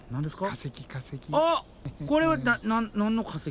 化石化石。